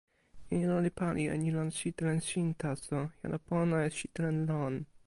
ilo li pali e ni lon sitelen sin taso. jan o pona e sitelen lon.